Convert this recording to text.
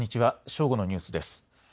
正午のニュースです。